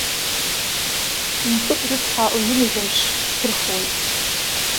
Мкыд рыцҳа лҩынҩажәамш шьҭырхуеит.